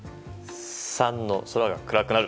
３の空が暗くなる。